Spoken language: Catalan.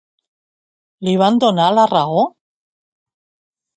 Li van donar la raó?